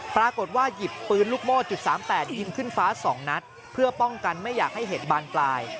ปรากฏว่าหยิบปืนลูกโม่จุด๓๘ยิงขึ้นฟ้า๒นัดเพื่อป้องกันไม่อยากให้เหตุบานปลาย